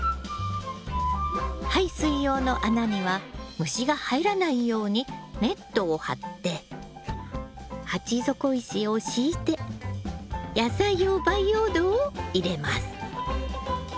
排水用の穴には虫が入らないようにネットをはって鉢底石を敷いて野菜用培養土を入れます。